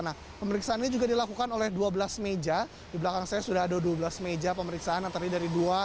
nah pemeriksaan ini juga dilakukan oleh dua belas meja di belakang saya sudah ada dua belas meja pemeriksaan yang terdiri dari dua